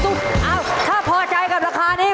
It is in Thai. เอ้าถ้าพอใจกับราคานี้